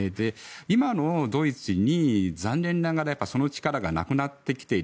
今のドイツに、残念ながらその力がなくなってきている。